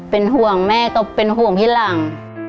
เป็นห่วงแม่ก็เป็นห่วงที่หลัง